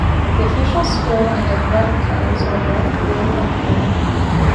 The official school and athletic colors are royal blue and gold.